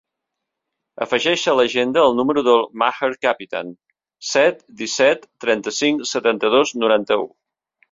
Afegeix a l'agenda el número del Maher Capitan: set, disset, trenta-cinc, setanta-dos, noranta-u.